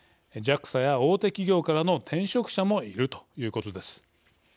ＪＡＸＡや大手企業からの転職者もいるということです。